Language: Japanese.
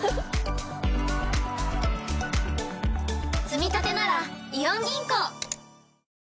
つみたてならイオン銀行！